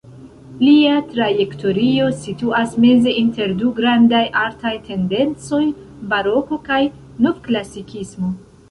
Lia trajektorio situas meze inter du grandaj artaj tendencoj: baroko kaj novklasikismo.